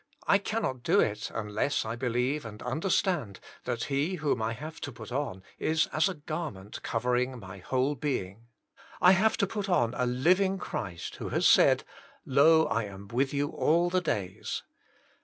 I cannot do it un less I believe and understand that He whom I have to put on is as a garment covering my whole being. I have to put on a living Christ who has said, Lo, I am with you all the days."